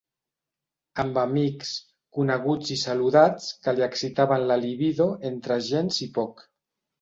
Amb amics, coneguts i saludats que li excitaven la libido entre gens i poc.